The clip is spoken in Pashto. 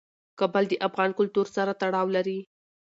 کابل د افغان کلتور سره تړاو لري.